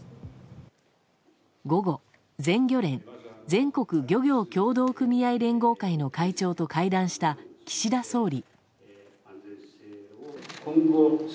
午後、全漁連・全国漁業協同組合連合会の会長と会談した岸田総理。